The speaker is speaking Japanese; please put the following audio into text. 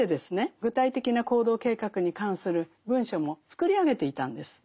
具体的な行動計画に関する文書も作り上げていたんです。